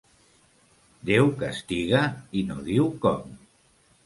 Déu castiga i no diu com.